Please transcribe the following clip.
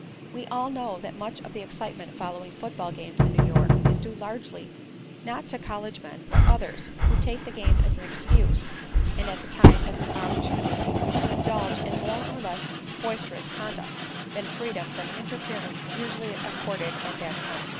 We all know that much of the excitement following football games in New York is due largely not to college men but others, who take the game as an excuse and the time as an opportunity to indulge in more or less boisterous conduct, with freedom from interference usually accorded at that time.